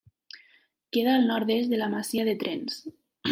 Queda al nord-est de la masia de Trens.